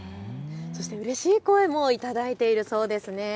そしてうれしい声もいただいているそうです。